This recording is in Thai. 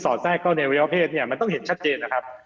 แทรกเข้าในอวัยวะเพศเนี่ยมันต้องเห็นชัดเจนนะครับ